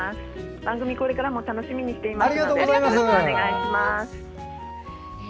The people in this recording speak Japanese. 番組これからも楽しみにしています。